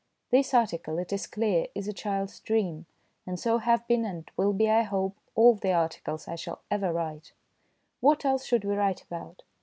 This article, it is clear, is a child's dream, and so have been, and will be, I hope, all the articles I shall ever write, What else should we write about?